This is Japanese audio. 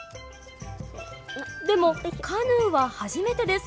でもカヌーは初めてです！